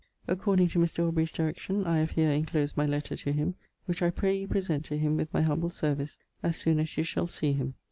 According to Mr. Aubrey's direction I have here inclosed my letter to him, which I pray you present to him with my humble service as soon as you shall see him.